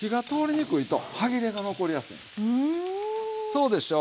そうでしょ？